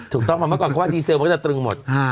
ถูกต้องมาก่อนเพราะว่าดีเซลมันก็จะตรึงหมด